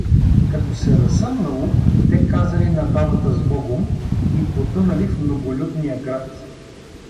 Като се разсъмнало, те казали на бабата „сбогом“ и потънали в многолюдния град.